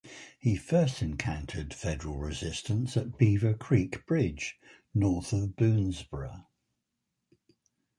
He first encountered Federal resistance at Beaver Creek Bridge, north of Boonsboro.